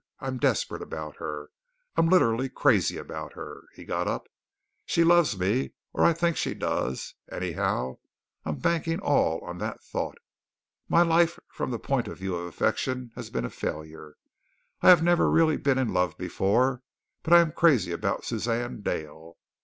I'm desperate about her. I'm literally crazy about her" he got up "she loves me, or I think she does. Anyhow, I'm banking all on that thought. My life from the point of view of affection has been a failure. I have never really been in love before, but I am crazy about Suzanne Dale.